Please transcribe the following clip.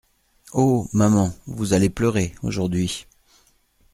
Oh ! maman, vous allez pleurer… aujourd’hui !